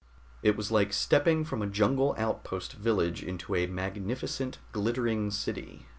It was like stepping from a jungle outpost village into a magnificent, glittering city.